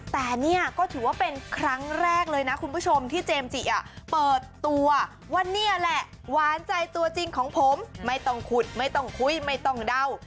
แต่เนี่ยก็ถือว่าเป็นครั้งแรกเลยนะคุณผู้ชมที่เจมส์จิเปิดตัวว่านี่แหละหวานใจตัวจริงของผมไม่ต้องขุดไม่ต้องคุยไม่ต้องเดา